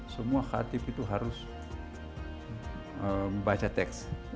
semua khatib itu harus membaca teks